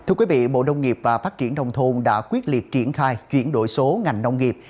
thưa quý vị bộ nông nghiệp và phát triển nông thôn đã quyết liệt triển khai chuyển đổi số ngành nông nghiệp